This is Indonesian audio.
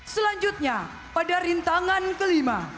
selanjutnya pada rintangan kelima